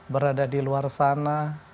berada di luar sana